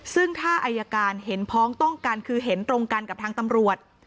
ซึ่งถ้าอายการเห็นพ้องต้องกันคือเห็นตรงกันกับทางตำรวจ